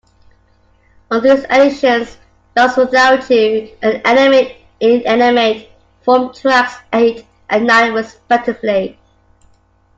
On these editions, "Lost Without You" and "Animate-Inanimate" form tracks eight and nine respectively.